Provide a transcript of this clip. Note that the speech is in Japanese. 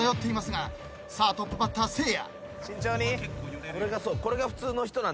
さあトップバッターせいや。